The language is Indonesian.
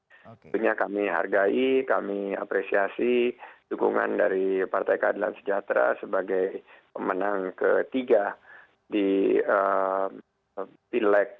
tentunya kami hargai kami apresiasi dukungan dari partai keadilan sejahtera sebagai pemenang ketiga di pileg